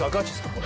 これ。